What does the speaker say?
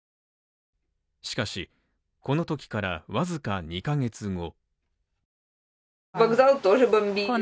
しかし、このときからわずか２ヶ月後。